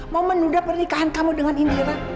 mau menunda pernikahan kamu dengan indira